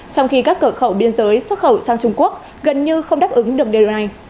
trong khi các cửa khẩu biên giới xuất khẩu sang trung quốc gần như không đáp ứng được đề ra